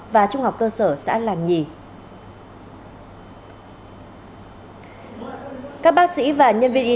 và trung học cơ sở xã làng nhì